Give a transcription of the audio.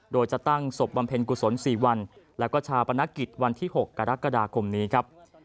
โดยจะตั้งศพบำเพ็ญกุศล๔วันแล้วก็ชาปนกิจวันที่๖กรกฎาคมนี้ครับ